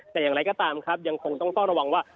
แต่อย่างไรก็ตามครับยังคงต้องเฝ้าระวังว่า